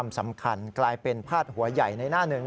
สำคัญกลายเป็นพาดหัวใหญ่ในหน้าหนึ่ง